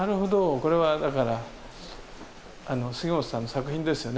これはだからあの杉本さんの作品ですよね。